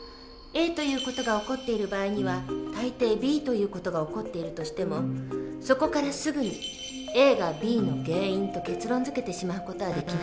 Ａという事が起こっている場合にはたいていＢという事が起こっているとしてもそこからすぐにＡがＢの原因と結論づけてしまう事はできないの。